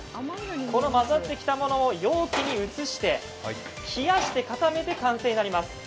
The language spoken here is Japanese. この混ざってきたものを容器に移して、冷やして固めて完成となります。